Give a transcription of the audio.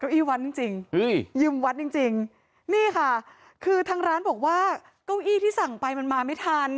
อี้วัดจริงจริงยืมวัดจริงจริงนี่ค่ะคือทางร้านบอกว่าเก้าอี้ที่สั่งไปมันมาไม่ทัน